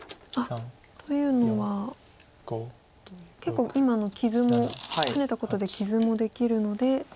というのは結構今の傷もハネたことで傷もできるので。